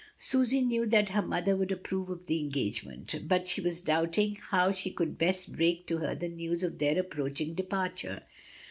Susy knew that her mother would approve of the engagement, but she was doubting how she could best break to her the news of their approach ing departure.